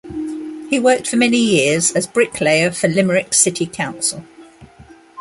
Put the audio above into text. He worked for many years as bricklayer for Limerick City Council.